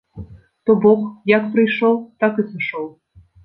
То бок, як прыйшоў, так і сышоў.